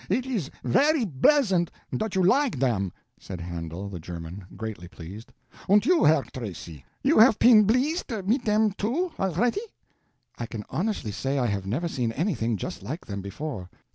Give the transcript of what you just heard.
"It is very bleasant dot you like dem," said Handel, the German, greatly pleased. "Und you, Herr Tracy, you haf peen bleased mit dem too, alretty?" "I can honestly say I have never seen anything just like them before."